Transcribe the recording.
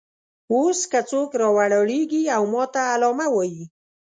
اوس که څوک راولاړېږي او ماته علامه وایي.